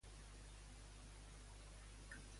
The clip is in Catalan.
On és la tripulació de l'Steno Impero, però?